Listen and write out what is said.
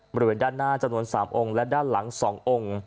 บริเวณด้านหน้าจำนวน๓องค์และด้านหลัง๒องค์